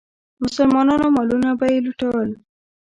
مسلمانانو مالونه به یې لوټل.